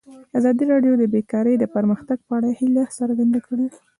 ازادي راډیو د بیکاري د پرمختګ په اړه هیله څرګنده کړې.